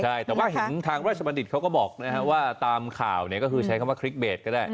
แต่ว่าถึงทางราชบัณฑฎเขาก็บอกว่าตามข่าวใช้คำว่าคลิกเบจก็ได้